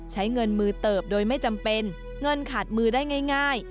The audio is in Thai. ใช้เงินมือเติบโดยไม่จำเป็นเงินขาดมือได้ง่าย